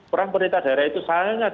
peran pemerintah daerah itu sangat